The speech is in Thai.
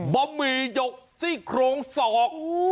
บะหมี่หยกซี่โครงศอก